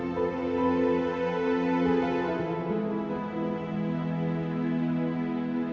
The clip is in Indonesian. tidak ada yang lebih baik